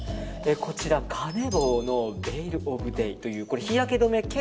こちらカネボウのヴェイルオブデイという日焼け止め兼